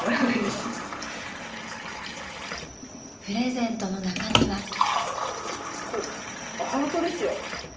［プレゼントの中身は］